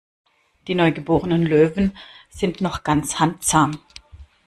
Die neugeborenen Löwen sind noch ganz handzahm.